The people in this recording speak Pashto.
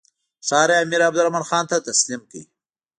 ښار یې امیر عبدالرحمن خان ته تسلیم کړ.